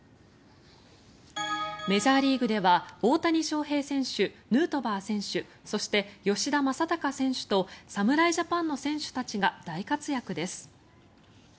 メジャーリーグでは大谷翔平選手、ヌートバー選手そして、吉田正尚選手と侍ジャパンの選手たちが大活躍です。